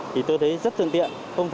thì tôi thấy rất thương tiện